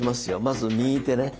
まず右手ね。